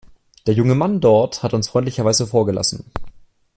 Der junge Mann dort hat uns freundlicherweise vorgelassen.